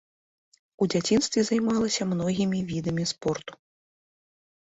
У дзяцінстве займалася многімі відамі спорту.